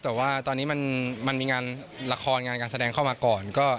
แต่มันมีงานละครการแสดงเข้ามาก่อน